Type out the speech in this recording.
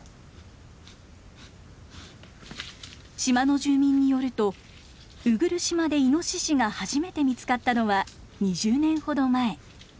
島の住民によると鵜来島でイノシシが初めて見つかったのは２０年ほど前。